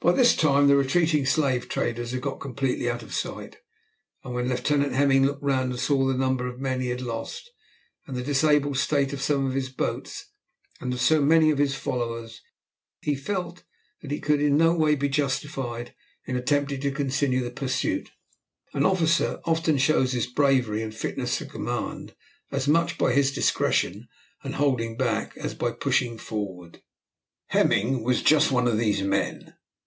By this time the retreating slave dealers had got completely out of sight, and when Lieutenant Hemming looked round and saw the number of men he had lost, and the disabled state of some of his boats, and of so many of his followers, he felt that he could in no way be justified in attempting to continue the pursuit. An officer often shows his bravery and fitness for command as much by his discretion and by holding back as by pushing forward. Hemming was just one of these men.